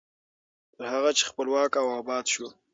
تر هغه چې خپلواک او اباد شو.